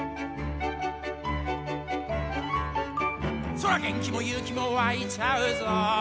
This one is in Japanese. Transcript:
「そら元気も勇気もわいちゃうぞ」